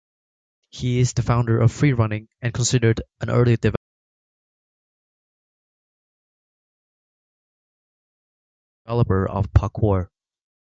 He is the founder of freerunning and considered an early developer of parkour.